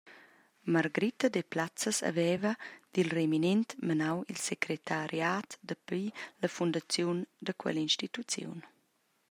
Margrita Deplazes haveva dil reminent menau il secretariat dapi la fundaziun da quell’instituziun.